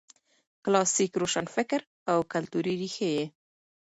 کلاسیک روشنفکر او کلتوري ريښې یې